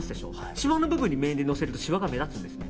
しわの部分に面でのせるとしわが目立つんですね。